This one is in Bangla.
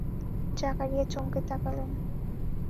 জাকারিয়া চমকে তাকালেন।